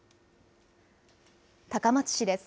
高松市です。